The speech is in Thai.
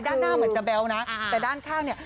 ด้านหน้าเหมือนจะแบ๊วนะแต่ด้านข้างเนี่ย